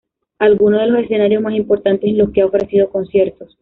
Algunos de los escenarios más importantes en los que ha ofrecido conciertos.